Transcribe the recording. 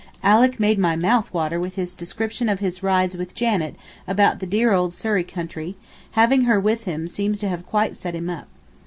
Alick made my mouth water with his descriptions of his rides with Janet about the dear old Surrey country, having her with him seems to have quite set him up.